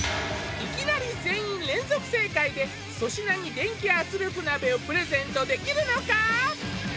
いきなり全員連続正解で粗品に電気圧力鍋をプレゼントできるのか？